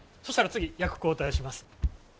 そしたら次役交代します。